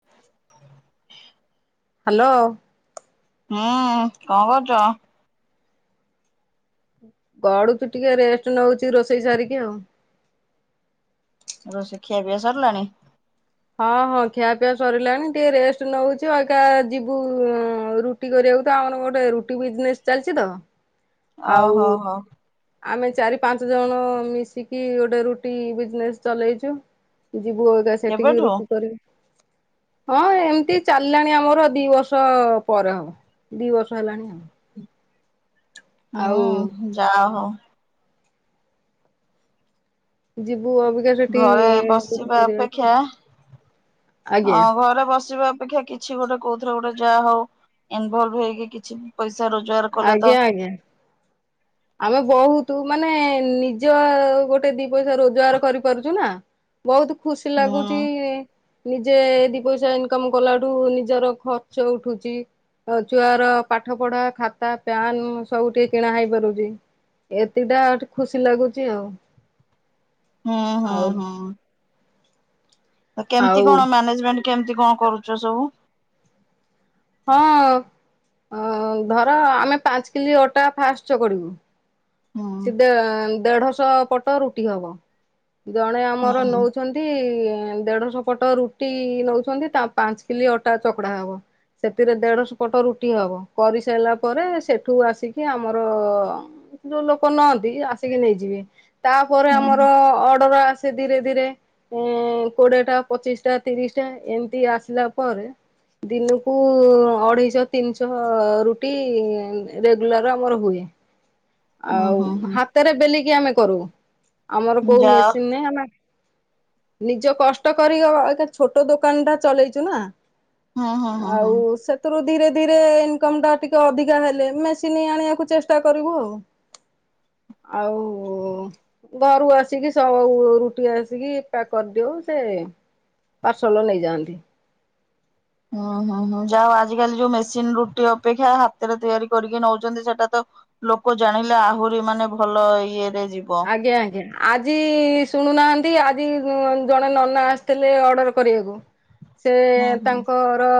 [inaudible] Hello. ହୁଁ, କଣ କରୁଛ? ଗଡୁଛି ଟିକେ, ରେଷ୍ଟ ନେଉଛି, ରୋଷେଇ ସାରିକି ଆଉ। ରୋଷେଇ, ଖିଆପିଆ, ସରିଲାଣି। ହଁ, ହଁ। ଖିଆପିଆ ସରିଲାଣି, ଟିକେ ରେଷ୍ଟ ନଉଛି। ଆ ଯିବୁ, ରୁ ରୁଟି କରିବାକୁ, ତ ଆମର ଗୋଟେ ରୁଟି ବିଜନେସ୍ ଚାଲିଛି ତ। ଆଉ, ଓହୋ ହୋ ଆମେ ଚାରି, ପାଞ୍ଚ ଜଣ, ମିଶିକି ଗୋଟେ ରୁଟି ବିଜନେସ ଚଲେଇଛୁ। ଯିବୁ ଏଗା ସେଠିକି, କେବେଠୁ? ରୁଟି କରିବୁ। ହଁ, ଏମିତି ଚାଲିଲାଣି ଆମର, ଦି ବର୍ଷ ପରେ ହବ। ଦି ବର୍ଷ ହେଲାଣି। ଆମ, ହୁଁ, ଯାହା ହଉ, ଯିବୁ ଅ ଘରେ ବସିବା ଅପେକ୍ଷା, ଆଜ୍ଞା ହଁ, ଘରେ ବସିବା ଅପେକ୍ଷା କିଛି, କିଛି ଗୋଟେ କୋଉଥିରେ ଗୋଟେ ଯା ହଉ ଇନଭଲବ୍ ହେଇକି କିଛି ପଇସା ରୋ ଆଜ୍ଞା ଆଜ୍ଞା ଆମେ ବହୁତୁ ମାନେ ନିଜ ଗୋଟେ ଦି ପଇସା ରୋଜଗାର କରିପାରୁଛୁ ନା, ବହୁତ୍ ଖୁସି ହୁଁ ଲାଗୁଛି। ନିଜେ ଦି ପଇସା ଇନକମ୍ କଲାଠୁ ନିଜର ଖର୍ଚ୍ଚ ଉଠୁଛି, ଛୁଆର ପାଠ ପଢା ଖାତା, ପ୍ୟାନ ଉମ ସବୁ ଟିକେ କିଣା ହେଇ ପାରୁ ଏତିକିଟା ଆ ଟିକେ ଖୁସି ଲାଗୁଛି ଆଉ। ହଁ ହଁ ଆଉ ହଁ ଆଉ କେମିତି କଣ ମ୍ୟାନେଜମେଣ୍ଟ କେମିତି କଣ କରୁଛ ସବୁ? ହଁ ଅ ଧର ଆମେ ପାଞ୍ଚ କିଲି ଅଟା ଫାଷ୍ଟ ଚକଡିବୁ, ହୁଁ ସିଧା ଦେଢଶହ ପଟ ରୁଟି ହବ, ଜଣେ ହୁଁ ଆମର ନଉଛନ୍ତି ନ୍ତି ଦେଢଶହ ପଟ ରୁଟି ନଉଛନ୍ତି ତା ପାଞ୍ଚ କିଲି ଅଟା ଚକଡା ହବ। ସେଥିରେ ଦେଢଶହ ପଟ ରୁଟି ହବ, କରିସାରିଲା ପରେ ସେଠୁ ଆସିକି ଆମର ଯୋଉ ଲୋକ ନଅନ୍ତି ଆସିକି ନେଇଯିବେ, ତାପରେ ହୁଁ ଆମର ଅର୍ଡର ଆ ସେ ଧୀରେ ଧୀରେ ଉମ କୋଡିଏଟା, ପଚିଶିଟା, ତିରିଶି ଟା ଏମିତି ଆସିଲା ପରେ ଦିନୁକୁ ଅଢେଇଶହ ତିନିଶହ ଅ ରୁଟି ଉମ ରେଗୁଲାର ଆମର ହୁଏ। ହୁଁ ଆଉ ହୁଁ ହୁଁ ହାତରେ ବେଲିକି ଆମେ କରୁ, ଆମର ହୁଁ କୋଉ ଯାଅ ମେସିନ ନାଇଁ ଆ ନିଜ କଷ୍ଟ କରିକି, ଅବିକା ଛୋଟ ଦୋକାନ ଟା ଚଲେଇଛୁ ନା? ହୁଁ ହୁଁ ହୁଁ ହୁଁ ଆଉ ସେ ଥିରୁ ଧୀରେ ଧୀରେ ଇନକମ୍ ଟା ଟିକେ ଅଧିକା ହେଲେ ମେସିନ୍ ଆଣିବାକୁ ଚେଷ୍ଟା କରିବୁ ଆଉ। ଆଉ ଘରୁ ଆସିକି, ସବୁ ରୁଟି ଆସିକି, ପ୍ୟାକ୍ କରିଦିଉ ସେ ପାର୍ସଲ ନେଇଯାଆନ୍ତି। ହୁଁ ହୁଁ ହୁଁ, ଯାହା ହଉ ଆଜିକାଲି ଯୋଉ ମେସିନ ରୁଟି ଅପେକ୍ଷା ହାତରେ ତିଆରି କରିକି ନଉଛନ୍ତି ସେଟା ତ ଲୋକ ଜାଣିଲେ ଆହୁରି ମାନେ ଭଲ ଇଏରେ ଯିବ। ଆଜ୍ଞା ଆଜ୍ଞା, ଆଜି ଶୁଣୁନାହାନ୍ତି ଆଜି ଉମ ଜଣେ ନନା ଆସିଥିଲେ ଅର୍ଡ଼ର କରିବାକୁ ସେ ହୁଁ ହୁଁ ତାଙ୍କ ର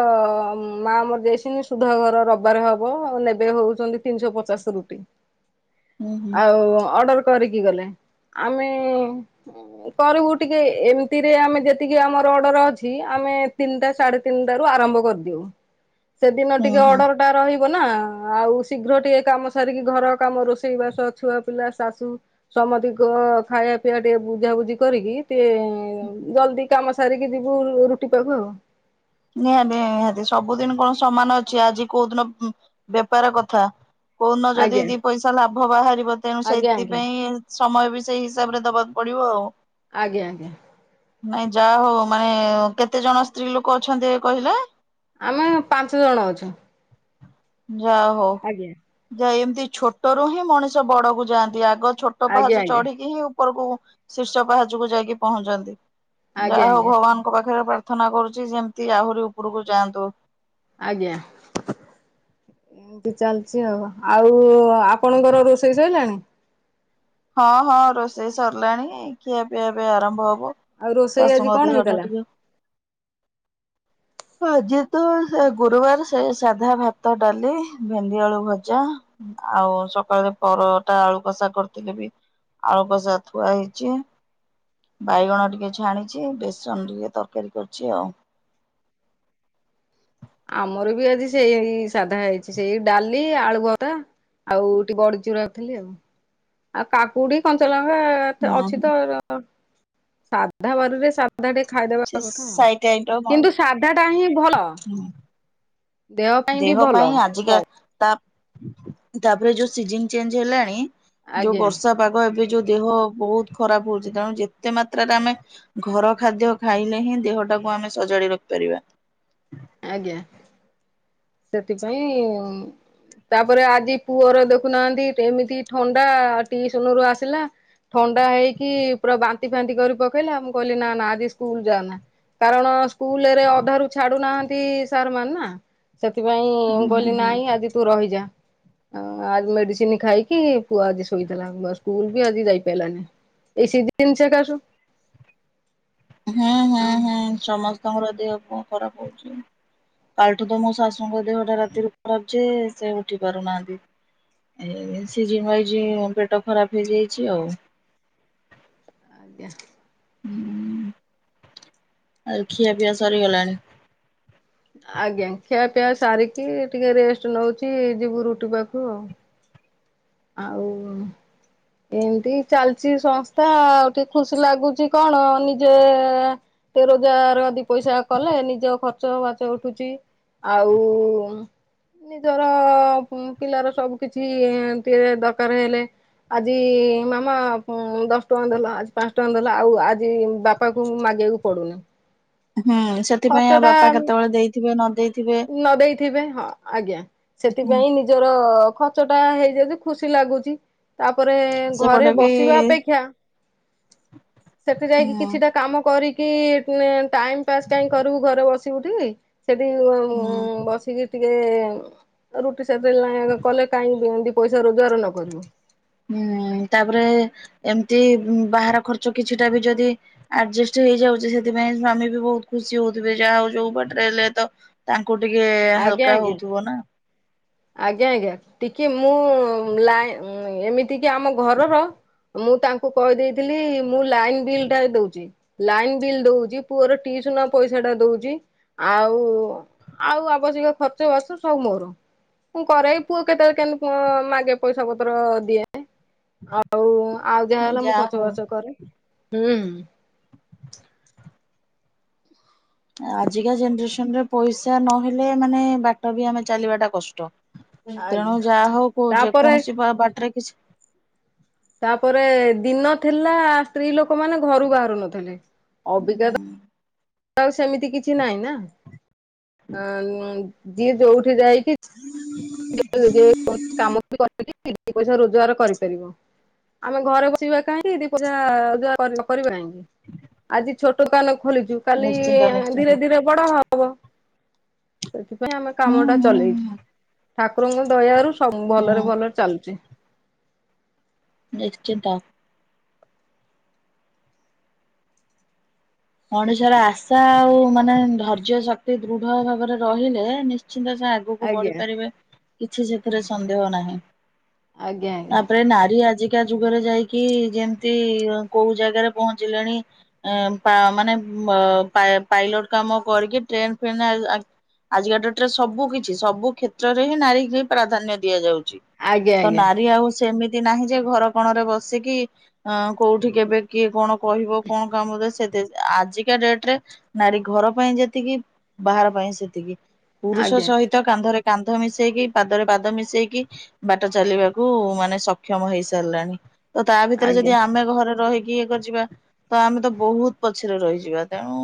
ମା ମରିଯାଇଛିନ୍ତି ସୁଧ ଘର ରବିବାର ହବ ଆଉ ନେବେ ହଉଛନ୍ତି ତିନିଶହ ପଚାଶ ରୁଟି। ହୁଁ ହୁଁ ଆଉ ଅର୍ଡର କରିକି ଗଲେ। ଆମେ କରିବୁ ଟିକେ, ଏମିତିରେ ଆମେ ଯେତିକି ଆମର ଅର୍ଡର ଅଛି, ଆମେ ତିନିଟା ସାଢେ ତିନିଟା ରୁ ଆରମ୍ଭ କରିଦିଉ, ସେଦିନ ହୁଁ ଟିକେ ହୁଁ ଅର୍ଡର ରହିବ ନା, ଆଉ ଶୀଘ୍ର ଟିକେ କାମ ସାରିକି ଘର କାମ, ରୋଷେଇବାସ, ଛୁଆ ପିଲା, ଶାଶୁ ସମତିଙ୍କ ଖାଇବା ପିଇବା ଟିକେ ବୁଝାବୁଝି କରିକି ଟିକେ ଜଲଦି କାମ ସାରିକି ଯିବୁ ରୁ ରୁଟି ପାକୁ ଆଉ। ନିହାତି ନିହାତି, ସବୁଦିନି କଣ ସମାନ ଅଛି, ଆଜି କୋଉ ଦିନ ଉ ବେପାର କଥା। କୋଉଦିନ ଯଦି ଆଜ୍ଞା ଦି ପଇସା ଲାଭ ବାହାରିବ, ତେଣୁ ଆଜ୍ଞା ଆଜ୍ଞା ସେଥିପାଇଁ ସମୟ ବି ସେଇ ହିସାବରେ ଦବାକୁ ପଡିବ ଆଉ। ଆଜ୍ଞା ଆଜ୍ଞା। ନାଇଁ ଯାହା ହଉ ମାନେ କେତେ ଜଣ ସ୍ତ୍ରୀ ଲୋକ ଅଛନ୍ତି କହିଲେ? ଆମେ ପାଞ୍ଚ ଜଣ ଅଛୁ। ଯାହଉ। ଆଜ୍ଞା। ଯାଇ ଏମିତି ଛୋଟରୁ ହିଁ ମଣିଷ ବଡକୁ ଯାଆନ୍ତି, ଆଗ ଛୋଟ ଆଜ୍ଞା ପାହାଚ ଆଜ୍ଞା ଚଢିକି ହିଁ ଉ ଉପରକୁ ଶୀର୍ଷ ପାହାଚକୁ ଯାଇକି ପହଞ୍ଚନ୍ତି, ଯାହା ହଉ ଆଜ୍ଞା ଆଜ୍ଞା ଭଗବାନ ତାଙ୍କ ପାଖରେ ପ୍ରାର୍ଥନା କରୁଛି, ଯେମିତି ଆହୁରି ଉପରକୁ ଯାଆନ୍ତୁ। ଆଜ୍ଞା। ଏମିତି ଚାଲିଛି ଆଉ, ଆଉ ଆପଣଙ୍କର ରୋଷେଇ ସଇଲାଣି? ହଁ ହଁ ରୋଷେଇ ସରିଲାଣି, ଖିଆ ପିଆ ଏବେ ଆରମ୍ଭ ହବ। ଆଉ ରୋଷେଇ ଶାଶୁ ଆଜି ଙ୍କ କଣ ଦେହ ଟା ହେଇଥିଲା? ଟିକେ ଆଜି ତ ସେ ଗୁରୁବାର ସେ ସାଧା ଭାତ, ଡାଲି, ଭେଣ୍ଡିଆଳୁ ଭଜା। ଆଉ ସକାଳେ ପରଟା ଆଳୁ କଷା କରିଥିଲି ବି ଆଳୁ କସା ଥୁଆ ହେଇଛି। ବାଇଗଣ ଟିକେ ଛାଣିଛି, ବେସନ ଟିକେ ତରକାରୀ କରିଛି ଆଉ। ଆମର ବି ଆଜି ସେଇ ସାଧା ହେଇଛି ସେଇ ଡାଲି, ଆଳୁ ବରା। ଆଉ ଟି ବଡି ଚୁରା ଖାଲି ଆଉ କା କୁଡି କଞ୍ଚଲଙ୍କା ଏ ହୁଁ ଅଛି ତ ହୁଁ। ସାଧା ବାରିରେ ସା ସାଧା ଟେ ସେ ଖାଇଦବା କଥା ସାଇଟ୍ ଆଇଟମ୍ ଆଉ କିନ୍ତୁ ସାଧା ଟା ହିଁ ଭଲ। ହୁଁ ପାଇଁ ବି ଦେହ ଭଲ ପାଇଁ ଆଜିକା ତା ତାପରେ ଯୋଉ ସିଜନ ଚେଞ୍ଜ ହେଲାଣି, ଯୋଉ ଆଜ୍ଞା ବର୍ଷା ପା ଗ ଏବେ ଯୋଉ ଦେହ ବହୁତ ଖରାପ ହଉଛି, ତେଣୁ ଯେତେ ମାତ୍ରାରେ ଆମେ ଘର ଖାଦ୍ୟ ଖାଇଲେ ହିଁ ଦେହ ଟାକୁ ଆମେ ସଜାଡି ରଖି ପାରିବା। ଆଜ୍ଞା ସେଥିପାଇଁ ତାପରେ ଆଜି ପୁଅର ଦେଖୁନାହାନ୍ତି ଏମିତି ଥଣ୍ଡା ଟିଇସନରୁ ଆସିଲା ଥଣ୍ଡା ହେଇକି ପୁରା ବାନ୍ତି ଫାନ୍ତି କରି ପକେଇଲା ମୁଁ କହିଲି ନା ନା ଆଜି ସ୍କୁଲ ଯାଆନା। କାରଣ ସ୍କୁଲରେ ଅଧାରୁ ଛାଡୁନାହା ନ୍ତି ସାରମାନେ ନା ସେଥିପାଇଁ ହୁଁ ମୁଁ ହୁଁ କହିଲି ହୁଁ। ନାଇଁ ଆଜି ତୁ ରହିଯା। ଆଉ ଆଜି ମେଡିସିନ ଖାଇକି ପୁଅ ଆଜି ଶୋଇଥିଲା ସ୍କୁଲ ବି ଆଜି ଯାଇ ପାଇଲାନି। ଏଇ ସିଜିନ ସେକାସୁ। ହୁଁ। ଅଁ। ହଁ ସମସ୍ତଙ୍କର ଦେହ ପାଆ ଖରାପ ହୋଉଚି। କାଲିଠୁ ତ ମୋ ଶାଶୁଙ୍କ ଦେହଟା ରାତିରୁ ଖରାପ ଯେ ସେ ଉଠି ପାରୁନାହାନ୍ତି। ଏ ସିଜିନ ୱାଇଜି ପେଟ ଖରାପ ହେଇଯାଇଚି ଆଉ। ଆଜ୍ଞା। ହୁଁ। ଆଉ ଖିଆପିଆ ସରିଗଲାଣି? ଆଜ୍ଞା ଖିଆପିଆ ସାରିକି ଟିକେ ରେଷ୍ଟ ନୋଉଚି ଯିବୁ ରୁଟି ପାଖକୁ ଆଉ। ଆଉ ଏମତି ଚାଲଚି ସଂସ୍ଥା ଆଉ ଟିକେ ଖୁସି ଲାଗୁଚି କଣ ନିଜେ ଟି ରୋଜଗାର ଦି ପଇସା କଲେ ନିଜ ଖର୍ଚ୍ଚ ବାର୍ଚ୍ଚ ଉଠୁଚି। ଆଉ ଉଁ ନିଜର ପିଲାର ସବୁ କିଛି ଟିକେ ଦରକାର ହେଲେ ଆଜି ମାମା ଉଁ ଦଶ ଟଙ୍କା ଦେଲା ଆଜି ପାଞ୍ଚ ଟଙ୍କା ଦେଲା ଆଉ ଆଜି ବା ପାକୁ ମୁ ମାଗିବାକୁ ପଡୁନି। ହୁଁ ଖର୍ଚ୍ଚ ସେଥିପାଇଁ ଆଉ ବାପା ଟା କେତେବେଳେ ଦେଇଥିବେ ନ ଦେଇଥିବେ। ଥିବେ ଆଜ୍ଞା ସେଥିପାଇଁ ନିଜର ଖର୍ଚ୍ଚଟା ହେଇଯାଉଚି ଖୁସି ଲାଗୁଚି। ତାପରେ ଘରେ ସେପଟେ ବି ବସିବା ଅପେକ୍ଷା ସେଠୁ ଯାଇକି ହୁଁ କିଛିଟା କାମ କରିକି ଫୁଣି ଟାଇମ ପାସ୍ କାଇଁ କରିବୁ ଘରେ ବସି ଉଠିକି ସେଠି ଉଁମ୍ ହୁଁ ବସିକି ଟିକେ ରୁଟି ସେତେବେଳେ ନାକେ କଲେ କାହିଁକି ଦି ପଇସା ରୋଜଗାର ନ କରିବୁ। ହୁଁ ତାପରେ ଏମତି ବାହାର ଖର୍ଚ୍ଚ କିଛିଟା ବି ଯଦି ଆରଯେଷ୍ଟ ହେଇଯାଉଚି ସେଥିପାଇଁ ସ୍ଵାମୀ ବି ବୋହୁତ ଖୁସି ହୋଉଥିବେ ଯାହୋଉ ଯୋଉ ବାଟରେ ହେଲେ ତ ତାଙ୍କୁ ଟିକେ ଆଜ୍ଞା ହାଲକା ଆଜ୍ଞା। ହୋଉଥିବ ନା। ଆଜ୍ଞା ଆଜ୍ଞା ଟିକେ ମୁଁ ଲାଇ ଏମିତି କି ଆମ ଘରର ମୁଁ ତାଙ୍କୁ କହିଦେଇଥିଲି ମୁଁ ଲାଇନ ବିଲଟା ଏ ଦୋଉଚି। ଲାଇନ୍ ବିଲ୍ ଦୋଉଚି ପୁଅର ଟିଇସନ ପଇସାଟା ଦୋଉଚି ଆଉ ଆଉ ଆବଶ୍ୟକ ଖର୍ଚ୍ଚ ବାର୍ଚ୍ଚ ସବୁ ମୋର। ମୁଁ କରେ ଏଇ ପୁଅ କେତେବେଳେ କେମତି ମ୍ ମାଗେ ପଇସା ପତ୍ର ଦିଏ। ଆଉ ଆଉ ଯାହା ହେଲା ମୁଁ ଖର୍ଚ୍ଚ ବାର୍ଚ୍ଚ କରେ ହୁଁଁ। ଆଜିକା ଜେନେରେସନରେ ପଇସା ନହେଲେ ମାନେ ବାଟ ବି ଆମେ ଚାଲିବାଟା କଷ୍ଟ। ତେଣୁ ଆଜ୍ଞା ଯାହୋଉ କୋ ତାପରେ ଯେକୌଣସି ବା ବାଟରେ କିଛି ତାପରେ ଦିନ ଥିଲା ସ୍ତ୍ରୀ ଲୋକମାନେ ଘରୁ ବାହାରୁ ନଥିଲେ ଅବିକାତ ଆଉ ସେମିତି କିଛି ନାଇଁ ନା ଅଁ ଯିଏ ଯୋଉଠି ଯାଇକି [inaudible] [unintelligible] ଯେକୌଣସି କାମ ବି କରି ଦିଇ ପଇସା ରୋଜଗାର କରିପାରିବ। ଆମେ ଘରେ ବସିବା କାହିଁକି ଦିଇ ପଇସା ରୋଜଗାର କରି ନ ପାରିବା କାଇଁ। ଆଜି ଛୋଟ ଦୋକାନ ଖୋଲିଚୁ କାଲି ନିଶ୍ଚିନ୍ତ ନିଶ୍ଚିନ୍ତ ଧୀରେ ଧୀରେ ବଡ ହବ ସେଥିପାଇଁ ଆମେ ହୁଁ କାମଟା ହୁଁ ଚଲେଇଚୁ। ଠାକୁରଙ୍କ ଦୟାରୁ ସବୁ ଭଲରେ ହୁଁ ଭଲରେ ଚାଲୁଚି। ନିଶ୍ଚିନ୍ତ। ମଣିଷର ଆଶା ଆଉ ମାନେ ଧୈର୍ଯ୍ୟ ଶକ୍ତି ଦୃଢ ଭାବରେ ରହିଲେ ନିଶ୍ଚିନ୍ତ ସେ ଆ ଆଗକୁ ଆଜ୍ଞା। ବଢିପାରିବେ କିଛି ସେଥିରେ ସନ୍ଦେହ ନାହିଁ। ଆଜ୍ଞା ତାପରେ ନାରୀ ଆଜି କା ଯୁଗରେ ଯାଇକି ଯେମିତି କୋଉ ଜାଗାରେ ପହଞ୍ଚିଲେଣି ଆ ମା ମାନେ ମ ପା ପାଇଲଟ କାମ କରିକି ଟ୍ରେନ ଫ୍ରେନେରେ ଆ ଆ ଆଜିକା ଡେଟ୍ ରେ ସବୁ କିଛି ସବୁ କ୍ଷେତ୍ରରେ ହିଁ ନାରୀକି ପ୍ରାଧାନ୍ୟ ଦିଆଯାଉଛି। ତ ଆଜ୍ଞା। ଆଜ୍ଞା ନାରୀ ଆଉ ସେମି ତି ନାହିଁ ଯେ ଘର କଣରେ ବସିକି ଅଁ କୋଉଠି କେବେ କିଏ କଣ କହିବ କଣ କାମ ଦେ ସେ ଆଜିକା ଡେଟ୍ ରେ ନାରୀ ଘର ପାଇଁ ଯେତିକି ବାହାର ପାଇଁ ସେତିକି। ପୁରୁଷ ଆଜ୍ଞା ସହିତ କାନ୍ଧରେ କାନ୍ଧ ମିଶେଇକି ପାଦରେ ପାଦ ମିଶେଇକି। ବାଟ ଚାଲିବାକୁ ମାନେ ସକ୍ଷମ ହେଇସାରିଲାଣି। ତ ତା ଭିତରେ ଆଜ୍ଞା ଯଦି ଆମେ ଘରେ ରହିକି ଇଏ କରିିଯିବା ତ ଆମେ ତ ବହୁତ୍ ପଛରେ ରହିଯିବା ତେଣୁ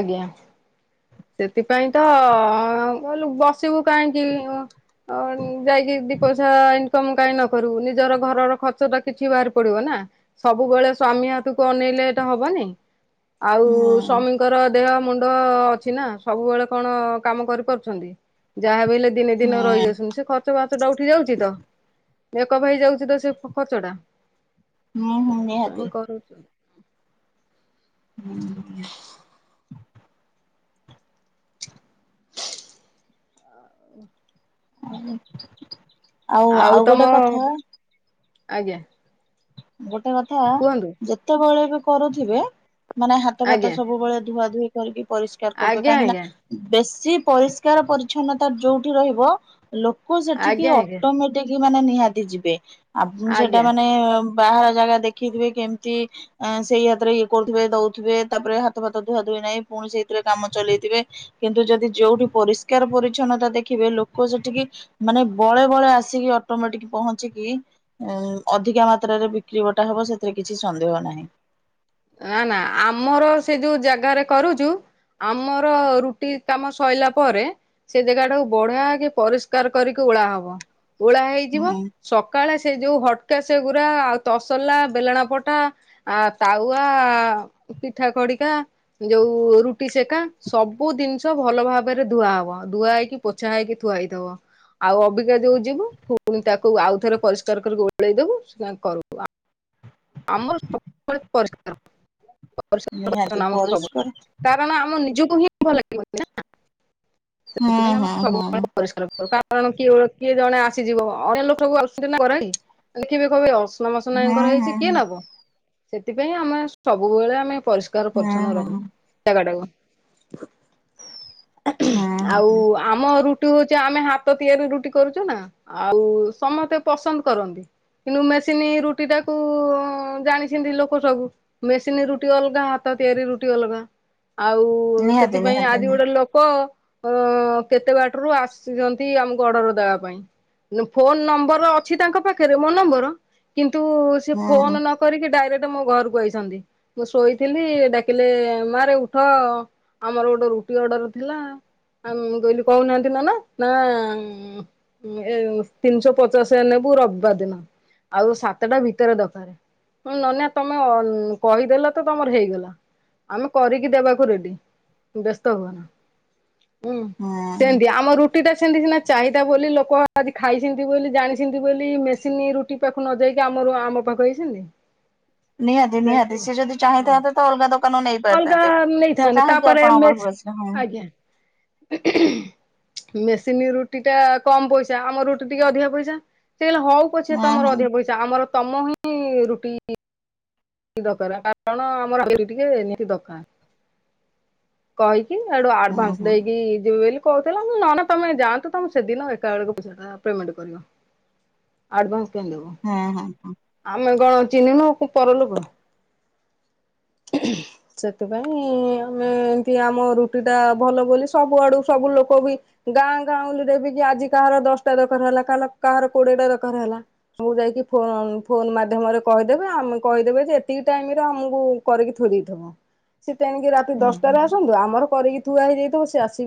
ଆଜ୍ଞା। ସେଥିପାଇଁ ତ ଅ ଅ [unintelligible] ବସ୍ ସିବୁ କାହିଁକି ହ ଅ ଯାଇକି ଦି ପଇସା ଇନ୍ ତ ମୁଁ କାହିଁ ନ କରିବୁ ନିଜର ଘରର ଖର୍ଚ୍ଚ ଟା କିଛି ବାହାରି ପଡିବ ନା। ସବୁବେଳେ ସ୍ଵାମୀ ହାତକୁ ଅନେଇଲେ ତ ହବନି। ଆଉ ସ୍ୱାମୀଙ୍କର ଦେହ ମୁଣ୍ଡ ଅ ଛିନା ସବୁବେଳେ କଣ କାମ କରିପାରୁଛନ୍ତି ଯାହାବି ଲେ ଦିନେ ହୁଁ ଦିନେ ରହିଯାଉଛନ୍ତି ସେ ଖର୍ଚ୍ଚ ବାର୍ଚ୍ଚ ଟା ଉଠି ଯାଉଛି ତ ମେକପ୍ ହେଇଯାଉଛି ତ ସେ ଖର୍ଚ୍ଚ ଟା। ହୁଁ ହୁଁ ନିହାତି। [inaudible] ହୁଁ। ଆଉ ଆଉ ଗୋଟେ କଥା। ଆଜ୍ଞା। ଗୋଟେ କଥା କୁହନ୍ତୁ ଯେତେବେଳେ ବି କରୁଥିବେ। ମାନେ ହାତ ଫାତ ଆଜ୍ଞା। ସବୁବେଳେ ଧୁଆ ଧୁଇ କରିକି ପରିଷ୍କାର କରିବେ ଆଜ୍ଞା କାହିଁକି ନା। ଆଜ୍ଞା ଆଜ୍ଞା ବେଶୀ ପରିଷ୍କାର ପରିଚ୍ଛନ୍ନତା ଯୋଉଠି ରହିବ ଲୋକ ସେଠିକି ଆଜ୍ଞା ଆଜ୍ଞା। ଅଟୋ ମେ ଟିକି ମାନେ ନିହାତି ଯିବେ ଆ ସେଟା ଆଜ୍ଞା। ମାନେ ବାହାର ଜାଗା ଦେଖିଥିବେ କେମିତି। ଆଁ ସେଇ ହାତରେ ଇଏ କରୁଥିବେ ଦଉଥିବେ ତାପରେ ହାତ ଫାତ ଧୁଆ ଧୁଇ ନାହିଁ ପୁଣି ସେଇଥିରେ କାମ ଚଲେଇଥିବେ। କିନ୍ତୁ ଯଦି ଯୋଉଠି ପରିଷ୍କାର ପରିଚ୍ଛନ୍ନତା ଦେଖିବେ ଲୋକ ସେଠିକି। ମାନେ ବଳେ ବଳେ ଆସିକି ଅଟୋମେଟିକ୍ ପହଞ୍ଚିକି ଅଧିକା ମା ତ୍ରାରେ ବିକ୍ରି ବଟା ହବ ସେଥିରେ କିଛି ସନ୍ଦେହ ନାହିଁ। ନା ଆମର ସେ ଯୋଉ ଜାଗାରେ କରୁଚୁ। ଆମର ରୁଟି କାମ ସଇଲା ପରେ। ସେ ଜାଗା ଟାକୁ ବଢିଆ କି ପରିଷ୍କାର କରିକି ଉଳା ହବ ଉଳା ହେଇଯିବ। ହୁଁ ସକାଳେ ସେ ଯୋଉ ହ୍ଟକେସ୍ ଗୁୁରା ଆଉ ତସଲା ବେଲଣା ପଟା ଆ ତା ଉଆ ପିଠା କଡିକା। ଯୋଉ ରୁଟି ସେକା ସବୁ ଜିନିଷ ଭଲ ଭାବରେ ଧୁଆ ହବ ଧୁଆ ହେଇକି। ପୋଛା ହେଇକି ଥୁଆ ହେଇଥିବ। ଆଉ ଅବିକା ଯୋଉ ଯିବୁ ପୁଣି ତାକୁ ଆଉ ଥରେ ପରିଷ୍କାର କରିକି ଓଳେଇ ଦବୁ [inaudible] ଆମର ସବୁ ବେଳେ ପରି ପରିଷ୍କାର ପରିଛନ ନିହାତି ଆମର ସବୁବେଳେ ପରିଷ୍କାର କାରଣ ଆମ ନିଜକୁ ହିଁ ଭଲ ଲାଗିବନି ନାଁ। ହୁଁ ସେଥିପାଈଁ ଆମର ହୁଁ ହୁଁ ସବୁବେଳେ ପରିଷ୍କାର କାରଣ କିଏ କିଏ ଜଣେ ଆସିଯିବ [inaudible] ଅସନା ମସନା ହୁଁ ୟାଙ୍କର ହେଇଛି ହୁଁ କିଏ ହୁଁ। ନବ ସେଥିପାଇଁ ଆମେ ସବୁବେଳେ ଆମେ ପରିଷ୍କ। ପରିଷ୍କାର ହୁଁ ପରିଚ୍ଛନ୍ନ ହୁଁ ରଖୁ ଜାଗାଟାକୁ ହୁଁ ଆଉ ହୁଁ ଆମ ରୁଟି ହଉଛି ଆମେ ହାତ ତିଆରି ରୁଟି କରୁଛୁ ନା ଆଉ ସମସ୍ତେ ପସନ୍ଦ କରନ୍ତି। କିନ୍ତୁ ମେସିନି ରୁଟି ଟାକୁ ଜାଣିଛିନ୍ତି ଲୋକ ସବୁ ମେସିନ୍ ରୁଟି ଅଲଗା ହାତ ତିଆରି ରୁଟି ଅଲଗା ଆଉ ନିହାତି ସେଥିପାଇଁ ନିହାତି ଆଜି ଗୋଟେ ଲୋକ ଅ କେତେ ବାଟରୁ ଆସିଛନ୍ତି ଆମକୁ ଅର୍ଡର ଦେବା ପାଇଁ। ଫୋନ ନମ୍ବର ଅଛି ତାଙ୍କ ପାଖରେ ମୋ ନମ୍ବର କିନ୍ତୁ ସେ ହୁଁ ଫୋନ ହୁଁ। ନ ନ କରିକି ଡାଇରେକ୍ଟ ମୋ ଘରକୁ ଆଇଛନ୍ତି। ମୁଁ ଶୋଇଥିଲି ଡାକିଲେ ମାରେ ଉଠ ଆମର ଗୋଟେ ରୁଟି ଅର୍ଡର ଥିଲା। ଆ ମୁଁ କହିଲି କହୁନାହାନ୍ତି ନନା, ନା ଏ ତିନିଶହ ପଚାଶ ନେବୁ ରବିବାର ଦିନ ଆଉ ସାତଟା ଭିତ ଭିତରେ ଦରକାର ନନା ତମେ କହିଦେଲ ତ ତମର ହେଇଗଲା। ଆମେ କରିକି ଦେବାକୁ ରେଡି ବ୍ୟସ୍ତ ହୁଅନା। ହୁଁ ସେମିତି ଆମ ରୁ ରୁଟିଟା ସେମିତି ସିନା ଚାହିଦା ବୋଲି ଲୋକ ଆଜି ଖାଇଛନ୍ତି ବୋଲି ଜାଣିଛନ୍ତି ବୋଲି ମେସିନ୍ ରୁଟି ପାଖକୁ ନ ଯାଇକି ଆମ ଅ ଆମ ପାଖକୁ ଆଇଛନ୍ତି। ନିହାତି ନିହାତି ସିଏ ଯଦି ହଁ। ଚାହିଁଥାନ୍ତେ ତ ଅଲଗା ଦୋକାନରୁ ନେଇ ପାରି ଅଲଗା ଥାନ୍ତେ, ସେ ନେଇଥାନ୍ତେ କାହିଁକି ତାପରେ ଆପଣଙ୍କ ପାଖ ମେସ୍ କୁ ଆସି [unintelligible] ଆଜ୍ଞା। [unintelligible] ମେସିନ ରୁଟି ଟା କମ ପଇସା ଆମ ରୁଟି ଟିକେ ଅଧିକା ପଇସା, ସେ କହିଲେ ହଉ। ପଛେ ହୁଁ ହୁଁ ତମର ଅଧିକ ପଇସା ଆମର ତମ ହିଁ ରୁଟି ଦରକାର କାରଣ ଆମର ଟିକେ ନିହାତି ଦରକାର। କହିକି ସେଟୁ ହୁଁ ଆଡଭାନ୍ସ ହୁଁ ଦେଇକି ଯିବେ ବେଲି କହୁଥିଲା ମୁଁ କହିଲି ନାନା ତମେ ଯାଆନ୍ତୁ ତମେ ସେଦିନ ଏକା ବେଳକୁ ପଇସା ଟା ପେମେଣ୍ଟ କରିବ। ଆଡ଼ଭାନ୍ସ କାଇଁ ଦେବ। ହଁ ହଁ ହଁ ଆମେ କଣ ଚିହ୍ନିନୁ କି ପରଲୋକ। [unintelligible] ସେଥିପାଇଁ ଆମେ ଏମିତି ଆମ ରୁଟିଟା ଭଲ ବୋଲି ସବୁଆଡ଼ୁ ସବୁ ଲୋକ ବି ଗାଁ ଗାଉଁଲି ରେ ବି କି ଆଜି କାହାର ଦଶଟା ଦରକାର ହେଲା କାଲ କାହାର କୋଡିଏ ଟା ଦରକାର ହେଲା। ଯାଇକି ଫୋ ଫୋନ ମାଧ୍ୟମରେ କହିଦେବେ ଆମେ କହିଦେବେ ଯେ ଏତିକି ଟାଇମରେ ଆମକୁ କରିକି ଥୋଇ ଦେଇଥିବ ସେ ତେଣିକି ରାତି ଦଶଟାରେ ଆସନ୍ତୁ ଆମର କରିକି ଥୁଆ ହେଇଯାଇଥିବ ସେ ଆସି